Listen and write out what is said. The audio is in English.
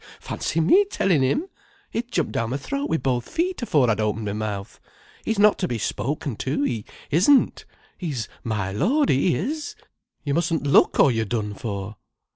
Fancy me telling him! He'd jump down my throat with both feet afore I'd opened my mouth. He's not to be spoken to, he isn't. He's my lord, he is. You mustn't look, or you're done for."